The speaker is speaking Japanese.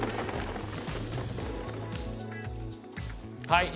はい。